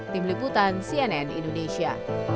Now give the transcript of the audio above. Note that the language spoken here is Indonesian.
tim liputan cnn indonesia